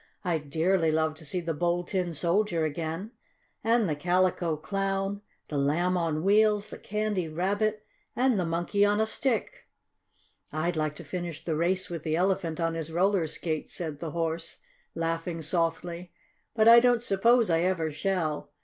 "I'd dearly love to see the Bold Tin Soldier again, and the Calico Clown, the Lamb on Wheels, the Candy Rabbit and the Monkey on a Stick." "I'd like to finish the race with the Elephant on his roller skates," said the Horse, laughing softly. "But I don't suppose I ever shall.